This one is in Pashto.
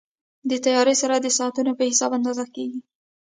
د طیارې سرعت د ساعتونو په حساب اندازه کېږي.